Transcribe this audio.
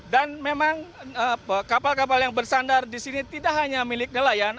dan memang kapal kapal yang bersandar di sini tidak hanya milik nelayan